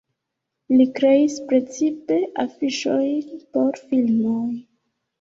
Li kreis precipe afiŝojn por filmoj.